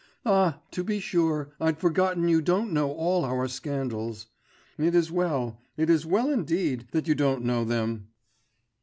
Ah, to be sure, I'd forgotten you don't know all our scandals.... It is well, it is well indeed, that you don't know them.